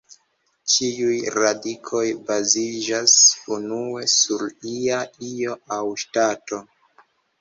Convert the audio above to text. Ĉiuj radikoj baziĝas unue sur ia io aŭ ŝtato.